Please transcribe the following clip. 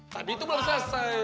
tadi itu belum selesai